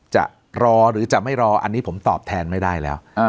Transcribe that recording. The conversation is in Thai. จะรอหรือจะไม่รออันนี้ผมตอบแทนไม่ได้แล้ว